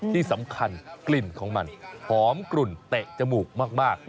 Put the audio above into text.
ที่สำคัญกลิ่นของมันหอมกลุ่นเตะจมูกมาก